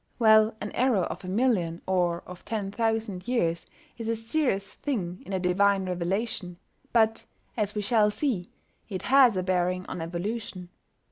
Well, an error of a million, or of ten thousand, years is a serious thing in a divine revelation; but, as we shall see, it has a bearing on evolution.